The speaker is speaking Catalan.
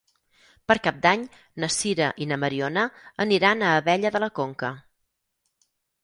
Per Cap d'Any na Sira i na Mariona aniran a Abella de la Conca.